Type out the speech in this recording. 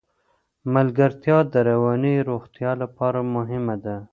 ملګرتیا د رواني روغتیا لپاره مهمه ده.